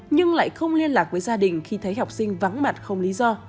nhưng lại không liên lạc với gia đình khi thấy học sinh vắng mặt không lý do